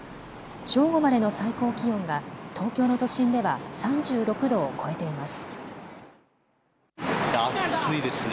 正午までの最高気温が東京の都心では３６度を超えています。